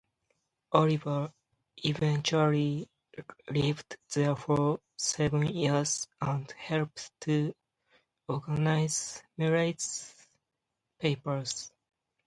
Oliver eventually lived there for seven years and helped to organize Millay's papers.